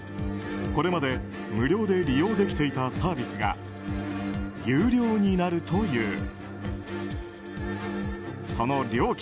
これまで無料で利用できていたサービスが有料になるという。